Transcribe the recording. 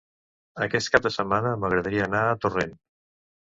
Aquest cap de setmana m'agradaria anar a Torrent.